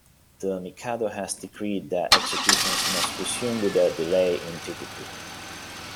The Mikado has decreed that executions must resume without delay in Titipu.